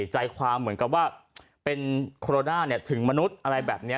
ใจความเหมือนกับว่าเป็นตึงมนุษย์อะไรแบบเนี้ย